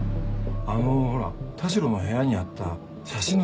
あのほら田代の部屋にあった写真の女性かもね。